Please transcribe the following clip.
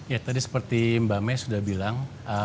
ya tadi seperti mbak may sudah bilang